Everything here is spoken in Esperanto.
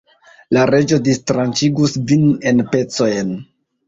La Reĝo distranĉigus vin en pecojn.